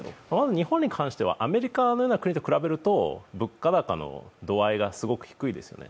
日本に関してはアメリカのような国と比べると物価高の度合いがすごく低いですよね。